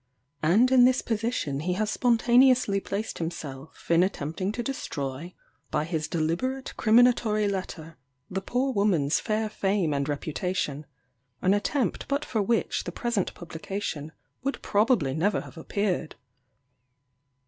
And in this position he has spontaneously placed himself, in attempting to destroy, by his deliberate criminatory letter, the poor woman's fair fame and reputation, an attempt but for which the present publication would probably never have appeared.